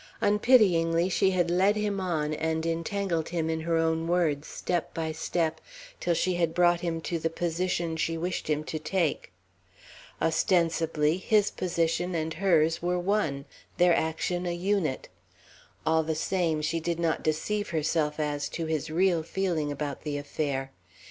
Unpityingly she had led him on, and entangled him in his own words, step by step, till she had brought him to the position she wished him to take. Ostensibly, his position and hers were one, their action a unit; all the same, she did not deceive herself as to his real feeling about the affair.